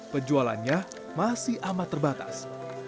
penjualannya masih amat terbatas